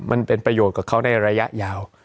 มันเป็นประโยชน์กับเขาในระยะยาว